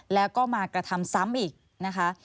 แล้วก็มากระทำซ้ำอีกนะคะ